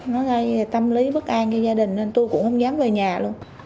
nói ra tâm lý bất an cho gia đình nên tôi cũng không dám về nhà luôn